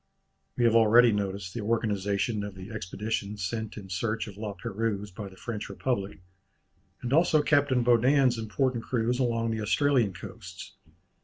We have already noticed the organization of the Expedition sent in search of La Pérouse by the French Republic, and also Captain Baudin's important cruise along the Australian coasts.